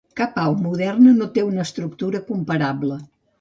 Cap au moderna no té una estructura comparable.